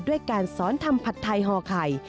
ด้วยการสอนทำผัดไทยห่อไข่